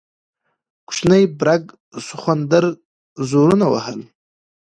کوچني برګ سخوندر زورونه وهل.